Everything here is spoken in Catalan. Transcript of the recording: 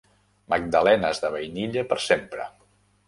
Magdalenes de vainilla per sempre.